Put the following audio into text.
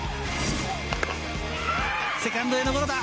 セカンドへのゴロだ！